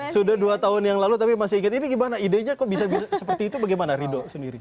sudah dua tahun yang lalu tapi masih ingat ini gimana idenya kok bisa seperti itu bagaimana rido sendiri